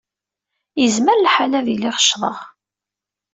Yezmer lḥal ad iliɣ ccḍeɣ.